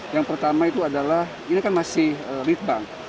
yang pertama itu adalah ini kan masih lead bank